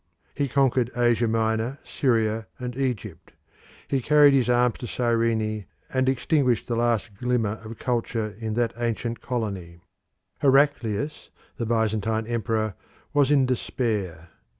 He conquered Asia Minor, Syria, and Egypt. He carried his arms to Cryene, and extinguished the last glimmer of culture in that ancient colony. Heraclius, the Byzantine emperor, was in despair.